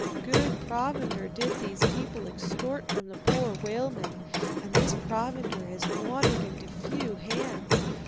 Good provender did these people extort from the poor whalemen, and this provender has wandered into few hands.